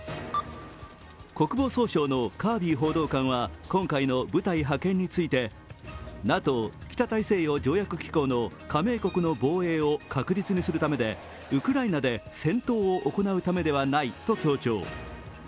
国防総省のカービー報道官は今回の部隊派遣についてＮＡＴＯ＝北大西洋条約機構の加盟国の防衛を確実にするためで、ウクライナで戦闘を行うためではないと強調。